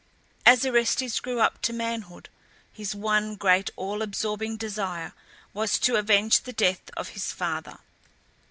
As Orestes grew up to manhood, his one great all absorbing desire was to avenge the death of his father.